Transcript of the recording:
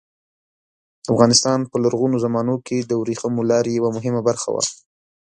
افغانستان په لرغونو زمانو کې د ورېښمو لارې یوه مهمه برخه وه.